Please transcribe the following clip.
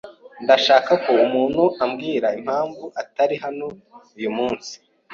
Ndashaka ko umuntu ambwira impamvu atari hano uyu munsi.